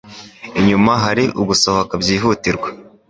Inyuma hari gusohoka byihutirwa.